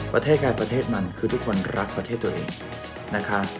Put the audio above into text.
ประเทศใครประเทศมันคือทุกคนรักประเทศตัวเองนะคะ